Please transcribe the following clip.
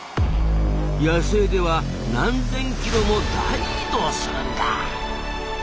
野生では何千キロも大移動するんだ。